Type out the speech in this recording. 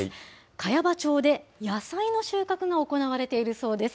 茅場町で野菜の収穫が行われているそうです。